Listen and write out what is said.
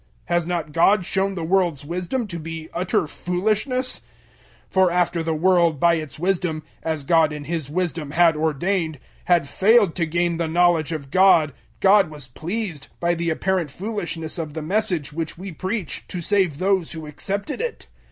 Has not God shown the world's wisdom to be utter foolishness? 001:021 For after the world by its wisdom as God in His wisdom had ordained had failed to gain the knowledge of God, God was pleased, by the apparent foolishness of the Message which we preach, to save those who accepted it.